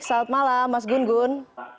selamat malam mas gun gun